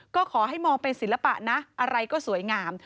ก็ขอให้มองเป็นศิลปะนะอะไรก็สวยงาม